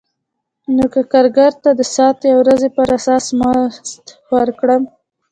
نو که کارګر ته د ساعت یا ورځې پر اساس مزد ورکړم